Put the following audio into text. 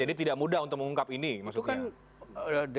jadi tidak mudah untuk mengungkap ini maksudnya